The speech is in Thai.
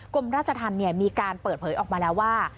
กรมราชธรรมมีการเปิดเผยออกมาแล้วว่า